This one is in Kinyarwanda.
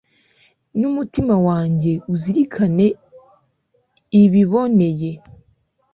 n'umutima wanjye uzirikane ibiboneye